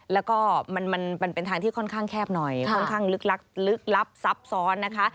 แล้วก็มันเป็นทางที่ค่อนข้างแคบหน่อยค่อนข้างลึกลึกลับซับซ้อนนะคะ